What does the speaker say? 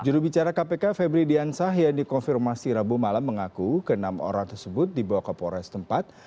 jurubicara kpk febri diansah yang dikonfirmasi rabu malam mengaku ke enam orang tersebut dibawa ke polres tempat